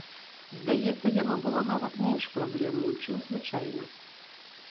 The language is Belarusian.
Здаецца, яно было нават менш праблемным, чым звычайна.